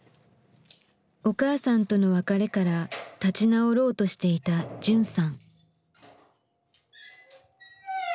お母さんとの別れから立ち直ろうとしていたじゅんさん。